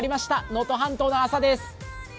能登半島の朝です。